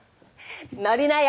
「乗りなよ」